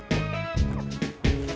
para mau kemana